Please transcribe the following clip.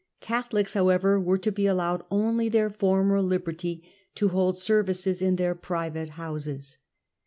Catholics however were to be allowed only their former liberty to hold service in their private houses.